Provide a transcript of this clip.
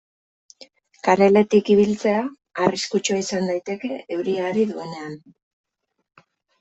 Kareletik ibiltzea arriskutsua izan daiteke euria ari duenean.